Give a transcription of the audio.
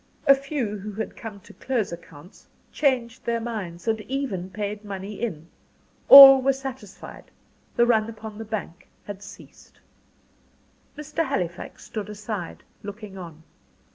A few who had come to close accounts, changed their minds, and even paid money in. All were satisfied the run upon the bank ceased. Mr. Halifax stood aside, looking on.